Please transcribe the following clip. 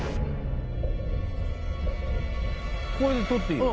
これで取っていいの？